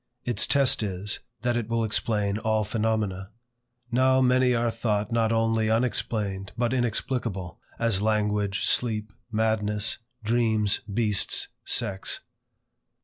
Its test is, that it will explain all phenomena. Now many are thought not only unexplained but inexplicable; as language, sleep, madness, dreams, beasts, sex.